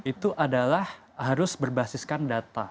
itu adalah harus berbasiskan data